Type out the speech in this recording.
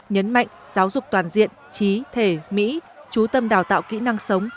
nhấn mạnh giáo dục toàn diện trí thể mỹ trú tâm đào tạo kỹ năng sống